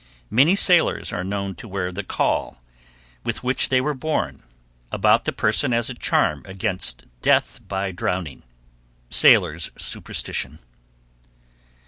Many sailors are known to wear the caul, with which they were born, about the person as a charm against death by drowning. _Sailor's superstition.